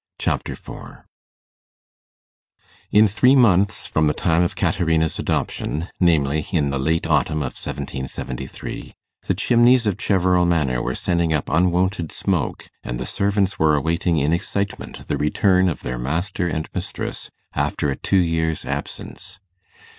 Chapter 4 In three months from the time of Caterina's adoption namely, in the late autumn of 1773 the chimneys of Cheverel Manor were sending up unwonted smoke, and the servants were awaiting in excitement the return of their master and mistress after a two years' absence.